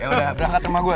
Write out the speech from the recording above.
ya udah perangkat rumah gue